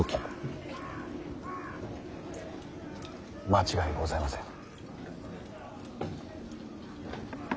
間違いございません。